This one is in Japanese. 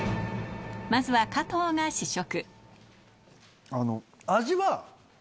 まずは加藤が試食あの。